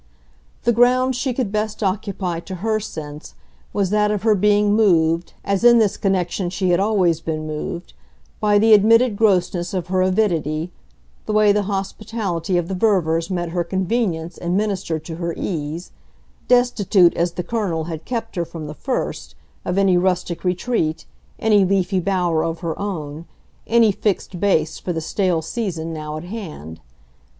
The ground she could best occupy, to her sense, was that of her being moved, as in this connexion she had always been moved, by the admitted grossness of her avidity, the way the hospitality of the Ververs met her convenience and ministered to her ease, destitute as the Colonel had kept her, from the first, of any rustic retreat, any leafy bower of her own, any fixed base for the stale season now at hand.